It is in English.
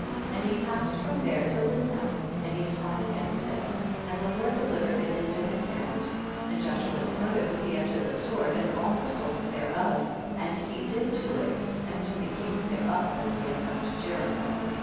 31. And he passed from there to Libnah and he fought against it, and the Lord delivered it into his hand, and Joshua smote it with the edge of the sword and all the souls thereof, and he did to it and to the king there of as he had done to Jericho.